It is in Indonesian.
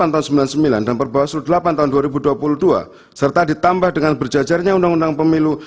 tahun seribu sembilan ratus sembilan puluh sembilan dan perbawaslu delapan tahun dua ribu dua puluh dua serta ditambah dengan berjajarnya undang undang pemilu